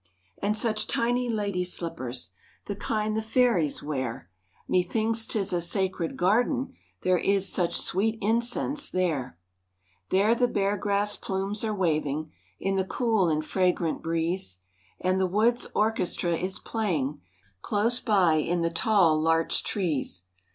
And such tiny lady slippers, The kind the Fairies wear,— Me thinks 'tis a sacred garden, There is such sweet incense there. There the bear grass plumes are waving In the cool and fragrant breeze, And the wood's orchestra is playing Close by in the tall larch trees.